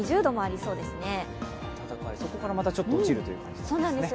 そこからちょっと落ちるということですかね。